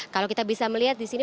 kalau kita bisa melihat di sini